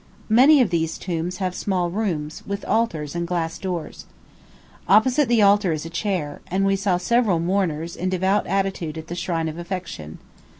Many of these tombs have small rooms, with altars and glass doors. Opposite the altar is a chair, and we saw several mourners in devout attitude at the shrine of affection.